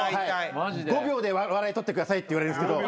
５秒で笑い取ってくださいって言われるんですけど。